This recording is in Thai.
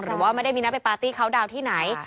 หรือว่าไม่ได้มีนัดไปปาร์ตี้เขาดาวน์ที่ไหน